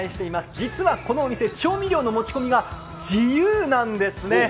実はこのお店、調味料の持ち込みが自由なんですね。